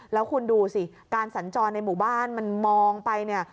แล้วคุณดูสิการสัญจรในหมู่บ้านมันมองไปเนี่ย